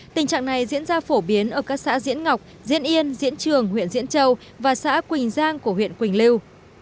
tình trạng này diễn ra phổ biến ở các xã diễn ngọc diễn yên diễn trường huyện diễn châu và xã quỳnh giang của huyện quỳnh lưu